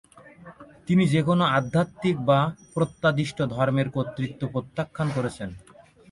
তিনি যেকোনো আধ্যাত্মিক বা প্রত্যাদিষ্ট ধর্মের কর্তৃত্ব প্রত্যাখ্যান করেছেন।